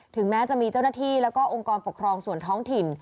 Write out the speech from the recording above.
แม้จะมีเจ้าหน้าที่แล้วก็องค์กรปกครองส่วนท้องถิ่น